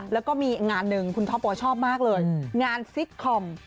แล้วก็มีงานหนึ่งคุณท็อปบอกว่าชอบมากเลยงานซิกคอม